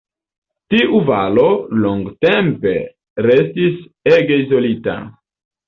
Tiu valo longtempe restis ege izolita.